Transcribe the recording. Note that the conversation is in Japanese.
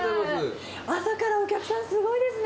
朝からお客さんすごいですね。